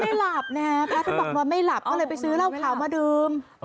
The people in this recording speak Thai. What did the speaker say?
นอนไม่หลับนะฮะพระเธอบอกนอนไม่หลับก็เลยไปซื้อเล่าขาวมาดื่ม